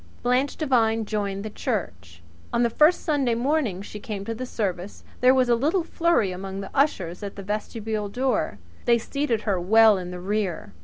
Blanche Devine joined the church. On the first Sunday morning she came to the service there was a little flurry among the ushers at the vestibule door. They seated her well in the rear.